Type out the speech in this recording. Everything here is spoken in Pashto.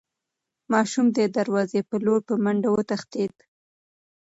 ماشوم د دروازې په لور په منډه وتښتېد.